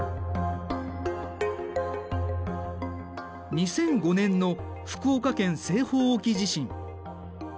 ２００５年の福岡県西方沖地震。